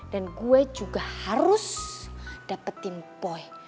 dan gue juga harus dapetin boy